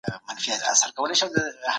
د اور لګېدنې مخنیوي ته پام وکړئ.